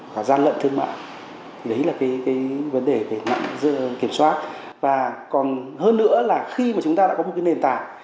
và gian lận thương mại đấy là cái vấn đề về mạng kiểm soát và còn hơn nữa là khi mà chúng ta đã có một cái nền tảng